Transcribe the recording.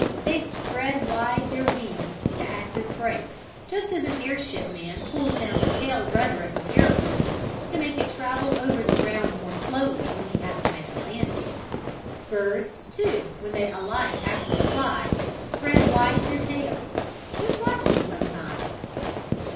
They spread wide their wings to act as brakes, just as an airship man pulls down the tail rudder of his aeroplane to make it travel over the ground more slowly when he has made a landing. Birds, too, when they alight after a fly, spread wide their tails. Just watch them some time.